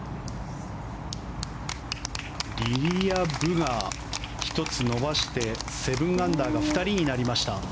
リリア・ブが１つ伸ばして７アンダーが２人になりました。